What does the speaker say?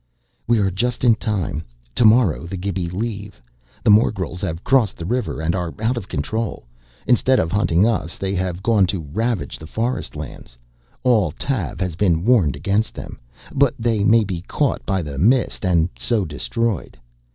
"We are just in time. Tomorrow the Gibi leave. The morgels have crossed the river and are out of control. Instead of hunting us they have gone to ravage the forest lands. All Tav has been warned against them. But they may be caught by the Mist and so destroyed.